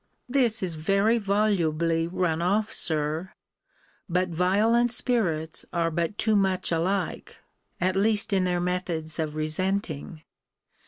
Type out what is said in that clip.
This is very volubly run off, Sir! But violent spirits are but too much alike; at least in their methods of resenting.